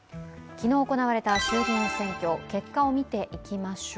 昨日行われた衆議院選挙結果を見ていきましょう。